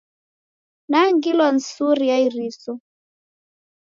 Nangilwa ni suri ya iriso.